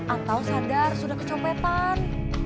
atau sadar sudah kecopetan